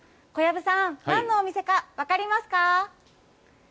小籔さん、なんのお店か分かりますか。